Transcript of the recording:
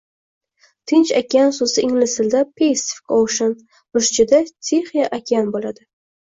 Tinch okean soʻzi ingliz tilida Pacific Ocean, ruschada Tixiy okean boʻladi